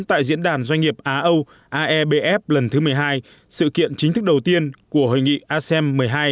tại diễn đàn doanh nghiệp á âu aebf lần thứ một mươi hai sự kiện chính thức đầu tiên của hội nghị asem một mươi hai